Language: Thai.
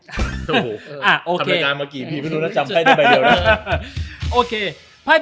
ทำเริงงานมากี่พีฟฟ้ามากจำให้ไปเดี๋ยวนะ